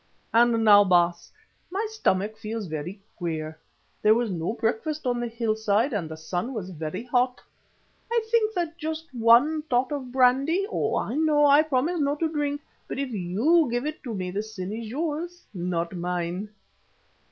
And now, Baas, my stomach feels very queer. There was no breakfast on the hillside and the sun was very hot. I think that just one tot of brandy oh! I know, I promised not to drink, but if you give it me the sin is yours, not mine."